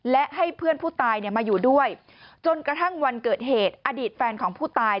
และให้เพื่อนผู้ตายมาอยู่ด้วยจนกระทั่งวันเกิดเหตุอดีตแฟนของผู้ตาย